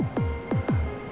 pak maaf ya